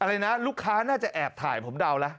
อะไรนะลูกค้าน่าจะแอบถ่ายผมเดาแล้ว